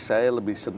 saya lebih senang